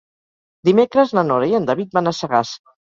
Dimecres na Nora i en David van a Sagàs.